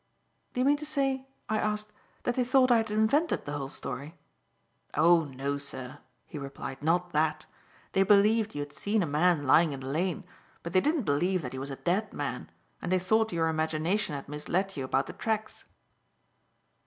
"Do you mean to say," I asked, "that they thought I had invented the whole story?" "Oh, no, sir," he replied, "not that. They believed you had seen a man lying in the lane, but they didn't believe that he was a dead man and they thought your imagination had misled you about the tracks."